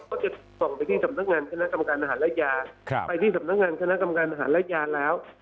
ก็จะส่งไปที่สำนักงานคณะกรรมการอาหารและยาไปที่สำนักงานคณะกรรมการอาหารและยาแล้ว